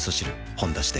「ほんだし」で